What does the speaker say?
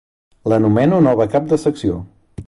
La nomeno nova cap de secció.